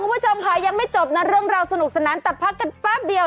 คุณผู้ชมค่ะยังไม่จบนะเรื่องราวสนุกสนานแต่พักกันแป๊บเดียว